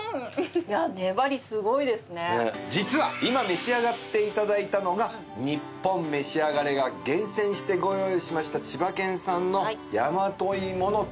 実は今召し上がって頂いたのが『ニッポンめしあがれ』が厳選してご用意しました千葉県産の大和芋のとろろなんです。